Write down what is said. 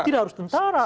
tidak harus tentara